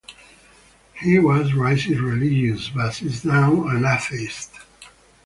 He was raised religious, but is now an atheist.